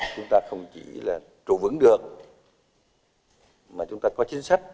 chúng ta không chỉ là trụ vững được mà chúng ta có chính sách